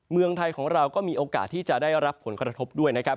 เมืองไทยของเราก็มีโอกาสที่จะได้รับผลกระทบด้วยนะครับ